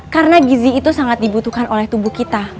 karena gizi itu sangat dibutuhkan oleh tubuh kita